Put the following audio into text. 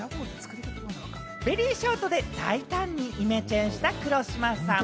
ベリーショートで大胆にイメチェンした黒島さん。